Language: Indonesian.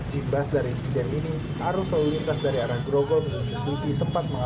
katanya saya ngobrol sama orang orang tadi yang dari bus remnya blok katanya